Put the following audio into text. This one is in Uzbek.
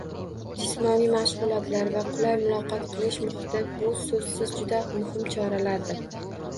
Jismoniy mashg‘ulotlar va qulay muloqot qilish muhiti – bu, so‘zsiz, juda muhim choralardir.